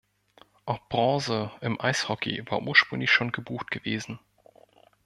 Auch Bronze im Eishockey war ursprünglich schon gebucht gewesen.